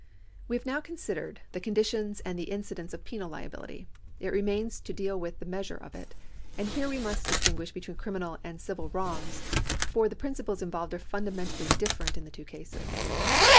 We have now considered the conditions and the incidence of penal liability. It remains to deal with the measure of it, and here we must distinguish between criminal and civil wrongs, for the principles involved are fundamentally different in the two cases.